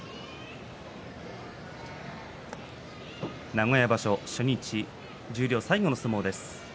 名古屋場所、初日十両最後の取組です。